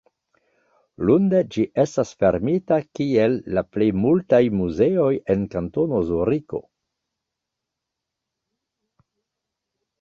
Lunde ĝi estas fermita kiel la plej multaj muzeoj en Kantono Zuriko.